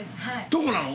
どこなの？